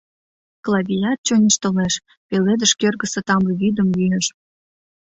Клавият чоҥештылеш, пеледыш кӧргысӧ тамле вӱдым йӱэш.